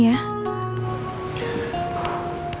buat kepentingan kamu juga kesehatan kamu